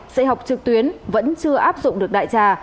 dạy học trực tuyến vẫn chưa áp dụng được đại trà